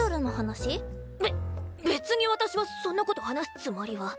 べ別に私はそんなこと話すつもりは。